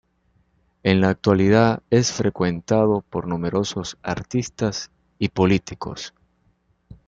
En la actualidad es frecuentado por numerosos artistas y políticos.